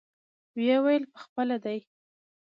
ويې ويل پخپله دى.